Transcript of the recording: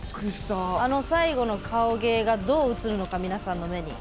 最後の顔芸がどう映るのか、皆さんの目に。